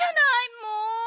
もう！